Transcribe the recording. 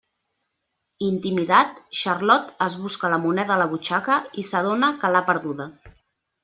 Intimidat, Xarlot es busca la moneda a la butxaca i s’adona que l’ha perduda.